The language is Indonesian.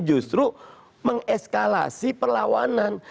justru mengeskalasi perlawanan